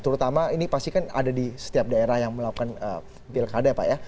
terutama ini pasti kan ada di setiap daerah yang melakukan pilkada pak ya